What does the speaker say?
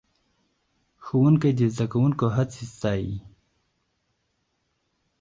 ښوونکی د زده کوونکو هڅې ستایي